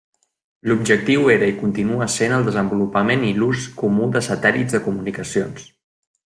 L'objectiu era i continua sent el desenvolupament i l'ús comú de satèl·lits de comunicacions.